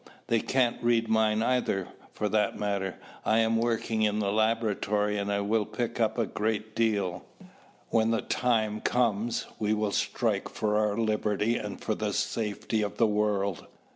They can't read mine either, for that matter. I am working in the laboratory and I will pick up a great deal. When the time comes, we will strike for our liberty and for the safety of the world."